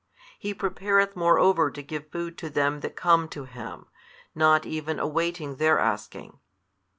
He prepareth moreover to give food to them that come to Him, not even awaiting their asking.